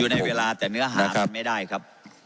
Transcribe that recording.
ในเวลาแต่เนื้อหามันไม่ได้ครับ